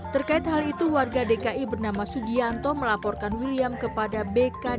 terkait hal itu warga dki bernama sugianto melaporkan william kepada bk dpr dki jakarta